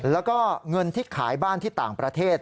แล้วก็เงินที่ขายบ้านที่ต่างประเทศ